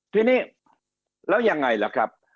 ทีนี้แล้วยังไงล่ะครับ